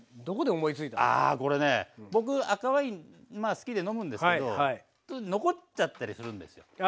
あこれね僕赤ワイン好きで飲むんですけど残っちゃったりするんですよ。